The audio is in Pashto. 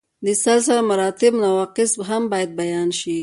د سلسله مراتبو نواقص هم باید بیان شي.